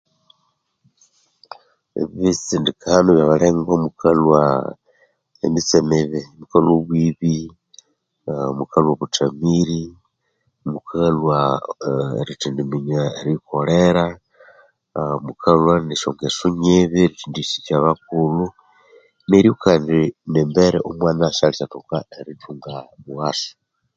Ebitisndikano byaba lengwa mukalhwa emitse mibi, obwibi , mukalhwa obuthamiri, mukalhwa iaa erithindi minya eriyikolera, aa mukalhwa nesyo ngeso nyibi esyari thendi sikya bakulhu, neryo embere omwama syalithoka erithunga mughaso